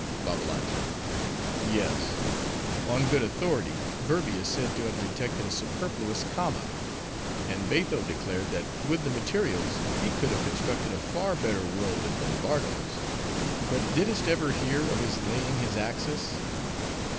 BABBALANJA—Yes: on good authority, Verbi is said to have detected a superfluous comma; and Batho declared that, with the materials he could have constructed a far better world than Lombardo's. But, didst ever hear of his laying his axis?